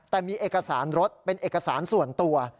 แต่มีเอกสารรถเป็นเอกสารส่วนตัว